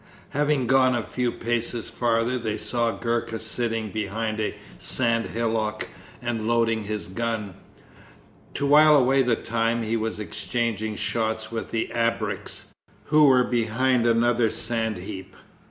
Having gone a few paces farther they saw Gurka sitting behind a sand hillock and loading his gun. To while away the time he was exchanging shots with the ABREKS, who were behind another sand heap.